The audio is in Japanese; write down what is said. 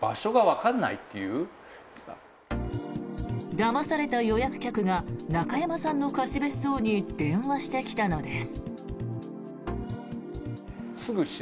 だまされた予約客が中山さんの貸別荘に電話してきたのです。